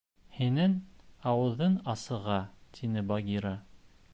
— Һинең... ауыҙын асыға, — тине Багира.